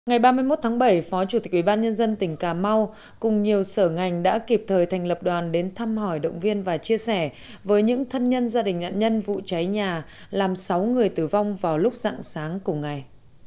ngày ba mươi một tháng bảy phó chủ tịch ubnd tỉnh cà mau cùng nhiều sở ngành đã kịp thời thành lập đoàn đến thăm hỏi động viên và chia sẻ với những thân nhân gia đình nạn nhân vụ cháy nhà làm sáu người tử vong vào lúc dạng sáng cùng ngày